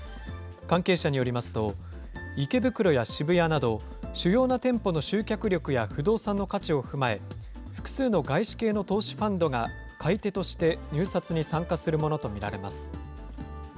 関係者によりますと、池袋や渋谷など、主要な店舗の集客力や不動産の価値を踏まえ、複数の外資系の投資ファンドが、買い手として入札に参加するものと見られます。